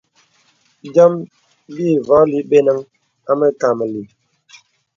Byɔm bîvolī benəŋ a məkàməlì.